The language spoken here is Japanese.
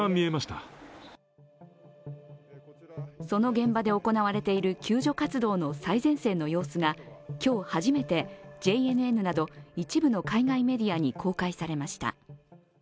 その現場で行われている救助活動の最前線の様子が今日初めて、ＪＮＮなど一部の海外メディアに公開されました。